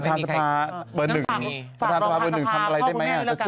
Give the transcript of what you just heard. ปฐานสภา๑ทำอะไรได้ไหมจะช่วยเหรอได้รู้ไหม